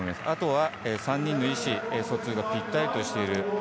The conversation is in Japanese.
あとは、３人の意思疎通がぴったりとしている。